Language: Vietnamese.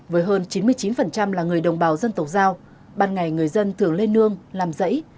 với hơn chín mươi chín là người đồng bào dân tộc giao ban ngày người dân thường lên nương làm rẫy